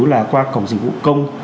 là qua cổng dịch vụ công